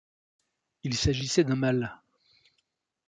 Il s'agissait d'un mâle.